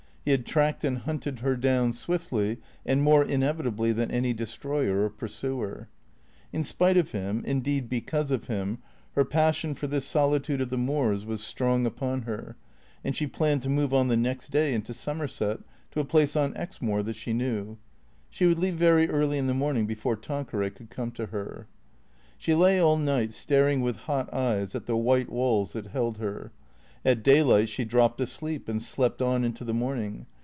He had tracked and hunted her down swiftly and more inevitably than any de stroyer or pursuer. In spite of him, indeed because of him, her passion for this solitude of the moors was strong upon her, and she planned to move on the next day into Somerset, to a place on Exmoor that she knew. She would leave very early in the morning before Tanqueray could come to her. She lay all night staring with hot eyes at the white walls that held her. At daylight she dropped asleep and slept on into the morning.